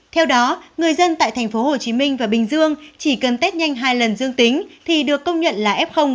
theo đó người dân tại tp hcm và bình dương chỉ cần tết nhanh hai lần dương tính thì được công nhận là ép không